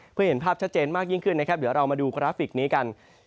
เพื่อเห็นภาพชัดเจนมากยิ่งขึ้นนะครับเดี๋ยวเรามาดูกราฟิกนี้กัน